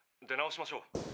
出直しましょう。